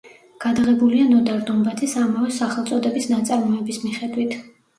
გადაღებულია ნოდარ დუმბაძის ამავე სახელწოდების ნაწარმოების მიხედვით.